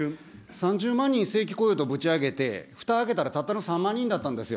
３０万人正規雇用とぶち上げて、ふた開けたら、たったの３万人だったんですよ。